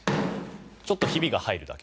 ちょっと、ひびが入るだけ。